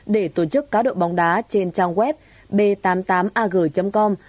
để tổ chức cá độ bóng đá trên trang web b tám mươi tám ag com